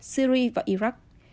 syria và iraq